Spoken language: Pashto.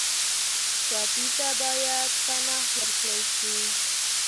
ټپي ته باید پناه ورکړل شي.